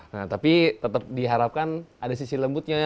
nah tapi tetap diharapkan ada sisi lembutnya ya